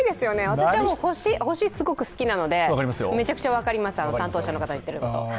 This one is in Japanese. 私は星、すごく好きなのでめちゃくちゃ分かります、担当者の方、言ってること。